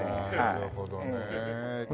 なるほどね。